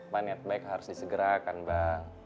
mak niat baik harus disegerakan bang